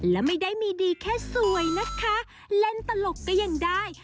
และไม่ได้มีดีแค่สวยนะคะเล่นตลกก็ยังได้